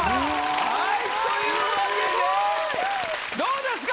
はいというわけでどうですか